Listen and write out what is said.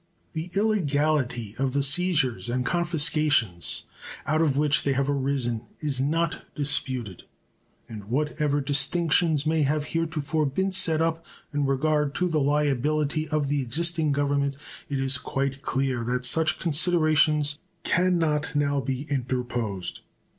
The illegality of the seizures and confiscations out of which they have arisen is not disputed, and what ever distinctions may have heretofore been set up in regard to the liability of the existing Government it is quite clear that such considerations can not now be interposed.